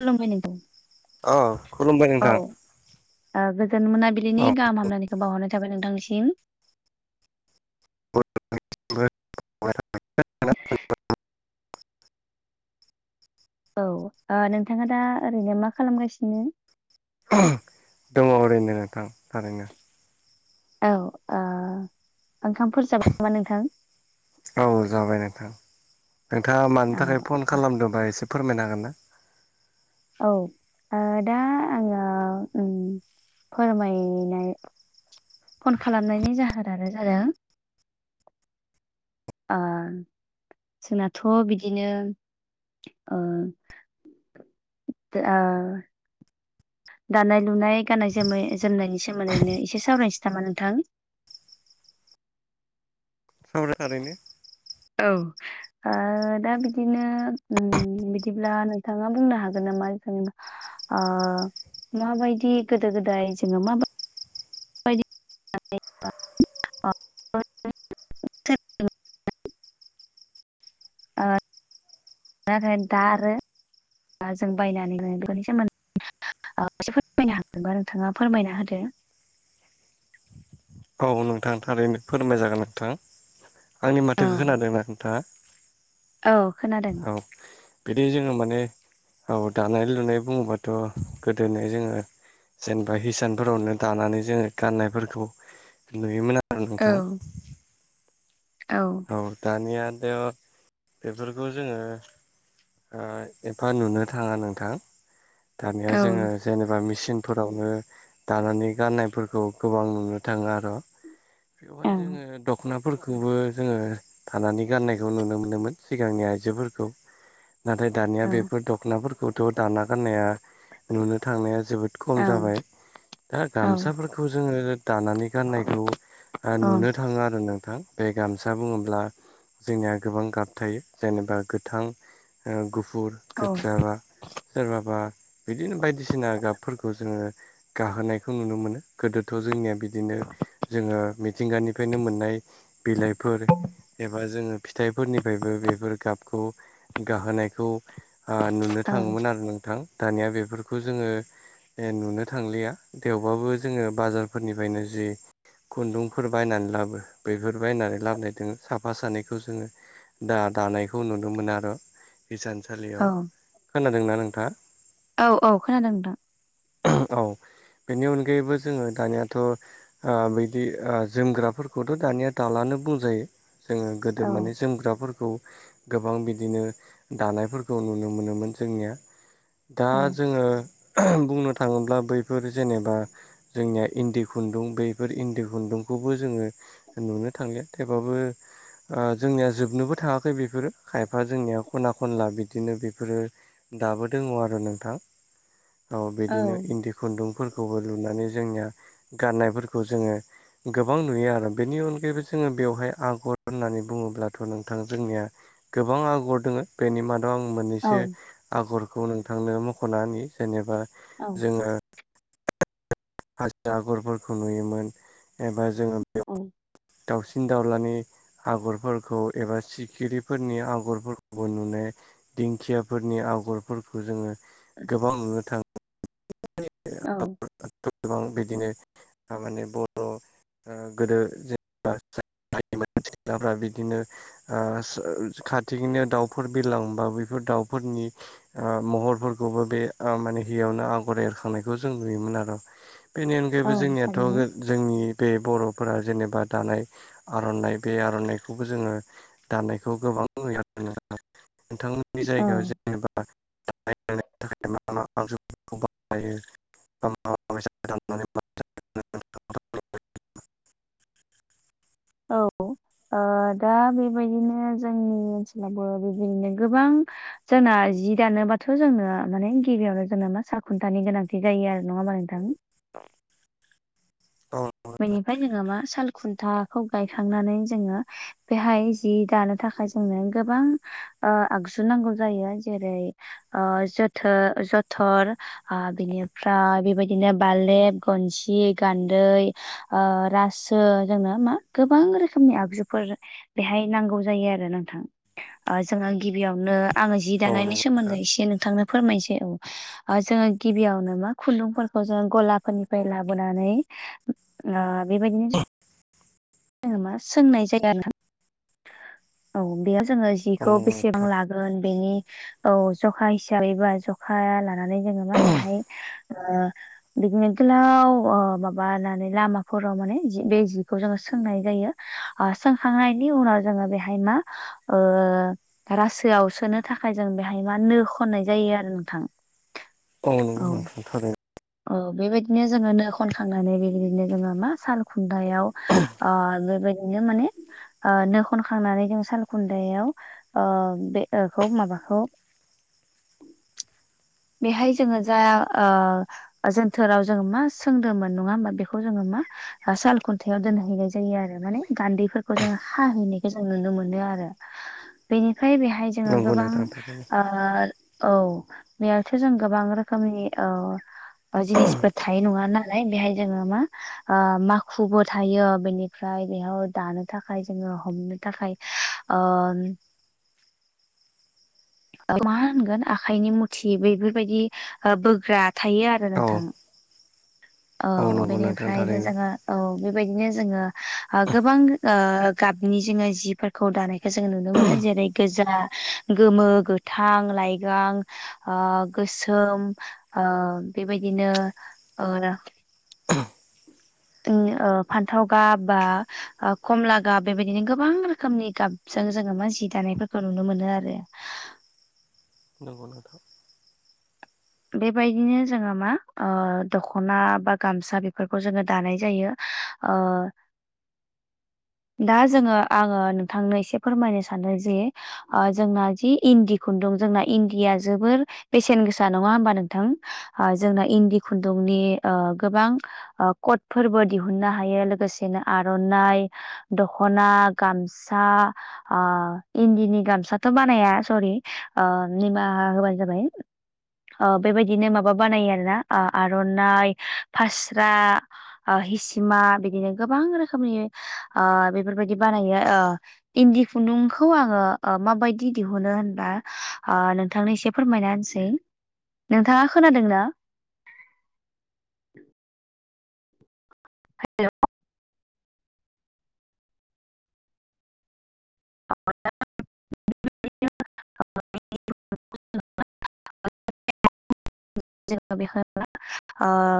खुलुमबाय नोंथां। अ खुलुमबाय औ नोंथां। ओ गोजोन मोनाबिलिनि औ गाहाम हामलायनायखौ बावहरनाय थाबाय नोंथांनिसिम। [inaudible] औ ओ नोंथाङा दा ओरैनो मा खालामगासिनो? [inaudible] दङ' ओरैनो नोंथां थारैनो। औ ओ ओंखामफोर जाब नामा नोंथां? औ जाबाय नोंथां नोंथाङा मानि औ थाखाय फन खालामदों बा एसे फोरमायनो हागोन ना? औ ओ दा आङो उम फोरमायनाय फन खालामनायनि जाहोनानो जादों। ओ जोंनाथ' बिदिनो औ दानाय लुनाय गाननाय जोमनाय जोमनायनि सोमोन्दैनो एसे सावरायनोसै नामा नोंथां। सावरायनानैनो थारैनो औ। दा बिदिनो बिदिब्ला नोंथाङा बुंनो हागोन नामा जेनेबा ओ मा बायदि गोदो-गोदाय जेनेबा माबाय [unintelligible] [unintelligible] आ जोङो दा जों बायनानै होन बेनि सोन एसे फोरमायनो हागबा नोंथाङा फोरमायना होदो। औ नोंथां थारैनो फोरमाय जागोन नोंथां आंनि औ माथोखौ खोनादोंना नोंथाङा? औ खोनादों। औ बिदि जोङो माने औ दानाय-लुनाय बुङोबाथ' गोदोनो जोङो जेनेबा हिसानफोरावनो दानानै जोङो गाननायफोरखौ नुयोमोन आरो औ नोंथां। औ। औ दानियाथ' बेफोरखौ जोङो। एफा नुनो थाङा नोंथां दानिया औ जोङो। जेनेबा मेसिनफोरावनो दानानै गाननायफोरखौ गोबां नुनो थाङो आरो। बेवहाय औ जोङो दख'नाफोरखौबो जोङो थानानै गाननायखौ नुनो मोनोमोन सिगांनि आइजोफोरखौ। नाथाय दानिया औ बेफोर दख'नाफोरखौथ' दाना गाननाया नुनो थांनाया जोबोद। बद खम जाबाय दा औ गामसाफोरखौ जोङो दानानै गाननायखौ। औ नुनो थाङो आरो नोंथां बे गामसा बुङोब्ला। जोंनिया गोबां गाब थायो जेनेबा गोथां गुफुर गोथिजाबा सोरबाबा बिदिनो बायदिसिना गाबफोरखौ जोङो। गाहोनायखौ नुनो मोनो गोदोथ' जोंनिया बिदिनो जोङो मिथिंगानिफ्रायनो मोननाय एबा जोङो फिथाइफोरनिफ्रायबो बेफोर गाबखौ गाहोनायखौ नुनो औ थाङोमोन आरो नोंथां दानिया बेफोरखौ जोङो। नुनो थांलिया थेवबाबो जोङो बाजारफोरनिफ्रायनो जि खुन्दुंफोर बायनानै लाबो बे बेफोरबायायनानै लाबोनाय दो साफा सानैखौ जोङो दा दानायखौ नुनो मोनो आरो। औ हिसानसालियाव खोनादोंना नोंथाङा? औ औ खोनादों नोंथां। औ। बेनि अनगायैबो जोङो दानियाथ' बिदि जोमग्राफोरखौथ' दानिया दालानो बुंजायो जोङो गोदो औ माने जोमग्राफोरखौ गोबां बिदिनो दानायफोरखौ नुनो मोनोमोन जोंनिया। दा औ जोङो बुंनो थाङोब्ला बैफोर जेनेबा। जोंनिया इन्दि खुन्दुं बेफोर इन्दि खुन्दुंखौबो जोङो। नुनो थांलिया थेवबाबो जोंनिया जोबनोबो थाङाखै बेफोरो खायफा जोंनिया खना खनला बिदिनो बेफोरो दाबो दङ आरो नोंथां औ बिदिनो इन्दि खुन्दुंफोरखौबो लुनानै जोंनिया गाननायफोरखौ जोङो गोबां नुयो आरो। बेनि अनगायैबो जोङो बेवहाय आगर होननानै बुङोब्लाथ' नोंथां जोंनिया गोबां आगर दङो बेनि मादै थ' आं औ मोननैसो आगरखौ नोंथांनो मख'ना होनि जेनेबा औ जोङो हाजो आगरफोरखौ नुयोमोन एबा जोङो बेयाव औ दाउसिन दाउलानि आगरफोरखौ एबा सिखिरिफोरनि आगरफोरखौबो नुनाय दिंखियाफोरनि आगरफोरखौ जोङो गोबां नुनो थाङो औ गोबां बिदिनो थारमाने बर' ओ गोदो जेनबा [unintelligible] सिख्लाफ्रा बिदिनो ओ खाथिनो दाउफोर बिलांबा बेैफोर दाउफोरनि ओ महरफोरखौबो बे माने हियावनो आगर एरखांनायखौ जों नुयोमोन आरो बेनि औ अनगायैबो जोंनियाथ' थारैनो जोंनि बे बर'फोरा जेनेबा दानाय आर'नाइ बे आर'नाइखौबो जोङो दानायखौ गोबां नुयो नोंथां नोंथांमोननि औ जायगायाव जेनेबा [unintelligible] [unintelligible] औ ओ दा बेबायदिनो जोंनि ओनसोलावबो बेबायदिनो गोबां जोंना जि दानोबाथ' जोंनो माने गिबियावनो जोंना मा साल खुन्थानि गोनांथि जायो आरो नङा होमबा नोंथां औ बेनिफ्राय जोङो मा साल खुन्थाखौ गायखांनानै जोङो बेहाय जि दानो थाखाय जोंनो गोबां ओ आगजु नांगौ जायो जेरै ओ जोथो जोथर आ बिनिफ्राय बेबायदिनो बालेब गनसि गान्दै ओ रासो जोंनो मा गोबां रोखोमनि आगजुफोर बेहाय नांगौ जायो आरो नोंथां ओ जोङो गिबियावनो आङो जि औ दानायनि नंगौ नोंथां सोमोन्दै एसे नोंथांनो फोरमायनोसै औ जोङो गिबियावनो मा खुन्दुंफोरखौ जोङो गलाफोरनिफ्राय लाबोनानै ओ बेबायदिनो जोङो मा सोंनाय जायो आरोना औ बेयाव जोङो औ जिखौ नंगौ बेसेबां नोंथां ला गोन बेनि औ जखा हिसाबै बा जखा लानानै जोङो मा बेहाय ओ बिदि गोलाव ओ माबानानै लामाफोराव माने जि बे जिखौ जोङो सोंनाय जायो आ सोंखांनायनि उनाव जोङो बेहाय मा ओ रासोआव सोनो थाखाय जों बेहाय मा नो खननाय जायो आरो नोंथां औ नंगौ नोंथां थारै औ बेबायदिनो जोङो नो खनखांनानै बेबायदिनो जोङो मा साल खुन्दायाव अ बेबायदिनो माने ओ नो खनखांनानै जों साल खुन्दायाव बेखौ माबाखौ बेहाय जोङो जा ओ जोनथोराव जोङो मा सोंदोंमोन नङा होमा बेखौ जोङो मा ओ साल खुन्थायाइाव दोनहैनाय जायो आरो माने गान्दैफोरखौ जों हाहैनायखौ जों नुनो मोनो आरो बेनिफ्राय बेहाय जोङो नंगौ गोबां नोंथां थारैनो ओ औ बेयावथो जों गोबां रोखोमनि औ जिनिसफोर थायो नङा नालाय बेहाय जोङो मा ओ माखुबो थायो बेनिफ्राय बेयाव दानो थाखाय जोङो हमनो थाखाय ओ मा होनगोन आखाइनि मुथि बेफोरबायदि बोग्रा थायो आरो औ नोंथां औ नंगौ नोंथां बेनिफ्रायनो थारैनो जोङो औ बेबायदिनो जोङो गोबां ओ गाबनि जोङो जिफोर खौ दानायखौ जों नुनो मोनो जेरै गोजा गोमो गोथां लाइगां ओ गोसोम बेबायदिनो फान्थाव गाब बा कमला गाब बेबायदिनो गोबां रोखोमनि गाब जों जोङो मा जि दानायफोरखौ नुनो मोनो आरो नंगौ नोंथां। बेबायदिनो जोङो मा दखना बा गामसा बेफोरखौ जोङो दानाय जायो। ओ। दा जोङो आङो नोंथांनो एसे फोरमायनो सानदों जे जोंना जि इन्दि खुन्दुं जोंना इन्दिया जोबोर बेसेन गोसा नङा होमबा नोंथां जोंना इन्दि खुन्दुंनि गोबां कटफोरबो दिहुननो हायो लोगोसेनो आर'नाइ दखना गामसा इन्दिनि गामसाथ' बानाया सरि निमाहा होबानो जाबाय। बेबायदिनो माबा बानायो आरो ना आर'नाइ फास्रा हिसिमा बिदिनो गोबां रोखोमनि बेफोरबायदि बानायो। इन्दि खुन्दुंखौ आङो माबायदि दिहुनो होनबा नोंथांनि एसे फोरमायना होनसै नोंथाङा खोनादों ना? हेलौ। [unintelligible] [unintelligible]